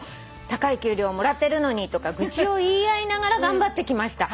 『高い給料もらってるのに』とか愚痴を言い合いながら頑張ってきました」